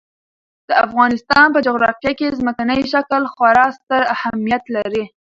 د افغانستان په جغرافیه کې ځمکنی شکل خورا ستر اهمیت لري.